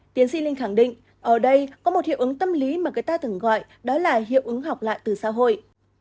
tiến sĩ linh khẳng định ở đây có một hiệu ứng tâm lý mà người ta thường gọi đó là hiệu ứng học lại từ xã hội